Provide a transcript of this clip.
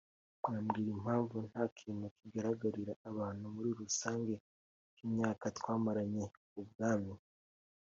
mwambwira impamvu nta kintu kigaragarira abantu muri rusange k'imyaka twamaranye ubwami